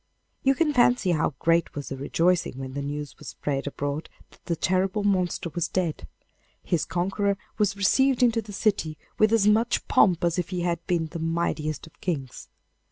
You can fancy how great was the rejoicing when the news was spread abroad that the terrible monster was dead. His conqueror was received into the city with as much pomp as if he had been the mightiest of kings.